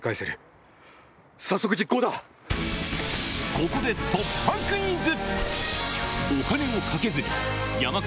ここで突破クイズ！